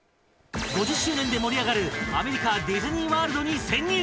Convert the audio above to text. ５０周年で盛り上がるアメリカディズニーワールドに潜入。